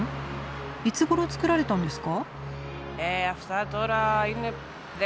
いつごろ造られたんですか？